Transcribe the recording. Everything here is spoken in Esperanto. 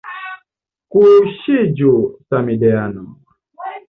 Kuŝiĝu samideano!